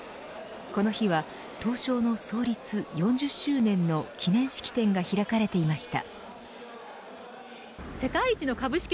この日は東証の創立４０周年の記念式典が開かれていました。